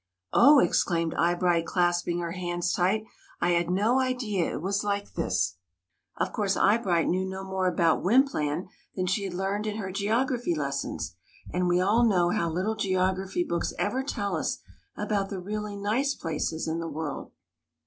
" Oh !" exclaimed Eyebright, clasping her hands tight; "I had no idea it was like this." Of course Eyebright knew no more about Wympland than she had learned in her geog raphy lessons, and we all know how little geography books ever tell us about the really nice places in the world.